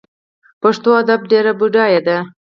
پښتو ادب ډیر بډای دی